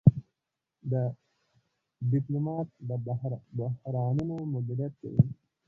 ډيپلومات د بحرانونو مدیریت کوي.